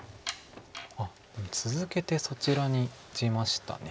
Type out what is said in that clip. あっ続けてそちらに打ちました。